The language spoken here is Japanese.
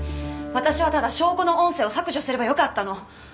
私はただ証拠の音声を削除すればよかったの。